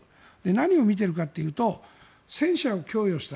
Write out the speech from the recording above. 何を見ているかというと戦車を供与した。